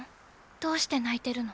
どうして泣いてるの？